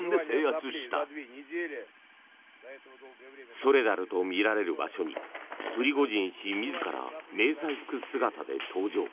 ソレダルとみられる場所にプリゴジン氏自ら迷彩服姿で登場。